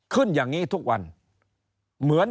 ขึ้นอย่างนี้ทุกวัน